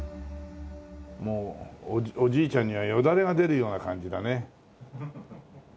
もうおじいちゃんにはよだれが出るような感じだね。